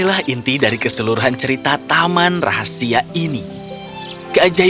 dan aku sangat senang bahwa sekarang kau sudah kembali